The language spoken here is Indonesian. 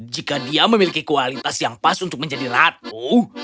jika dia memiliki kualitas yang pas untuk menjadi ratu